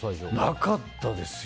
なかったですよ。